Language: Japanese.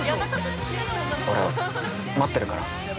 ◆俺、待ってるから。